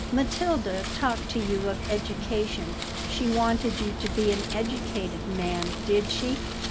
"Matilda talked to you of education. She wanted you to be an educated man, did she?